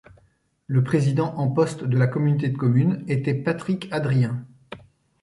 Le président en poste de la communauté de communes était Patrick Adrien.